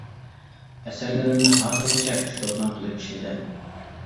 ئەسەرلىرىمنى ھازىرغىچە ئۈچ توپلام قىلىپ ئىشلىدىم.